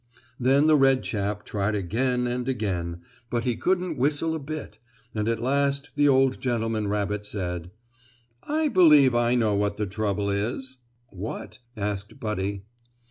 Then the red chap tried again and again, but he couldn't whistle a bit, and at last the old gentleman rabbit said: "I believe I know what the trouble is." "What?" asked Buddy.